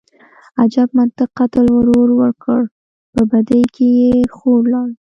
_اجب منطق، قتل ورور وکړ، په بدۍ کې يې خور لاړه.